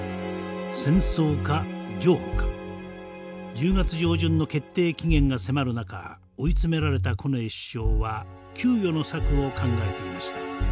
１０月上旬の決定期限が迫る中追い詰められた近衛首相は窮余の策を考えていました。